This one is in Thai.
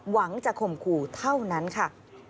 หวังจะข่มขู่เท่านั้นค่ะ